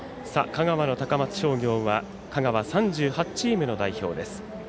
香川、高松商業は香川３８チームの代表です。